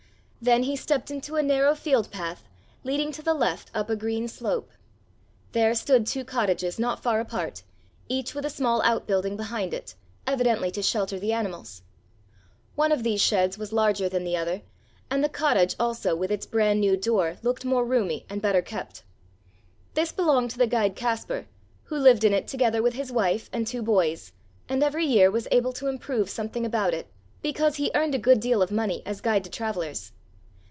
Then he stepped into a narrow field path, leading to the left up a green slope. There stood two cottages not far apart, each with a small out building behind it, evidently to shelter the animals. One of these sheds was larger than the other, and the cottage also with its brand new door looked more roomy and better kept. This belonged to the guide Kaspar, who lived in it together with his wife and two boys and every year was able to improve something about it, because he earned a good deal of money as guide to travelers.